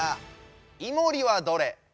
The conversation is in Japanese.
イモリはどれ？